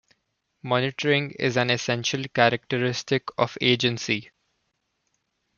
Monitoring is an essential characteristic of agency.